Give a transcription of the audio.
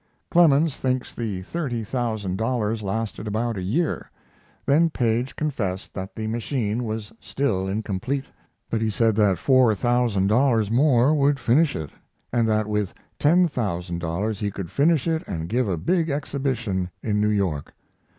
Clemens thinks the thirty thousand dollars lasted about a year. Then Paige confessed that the machine was still incomplete, but he said that four thousand dollars more would finish it, and that with ten thousand dollars he could finish it and give a big exhibition in New York.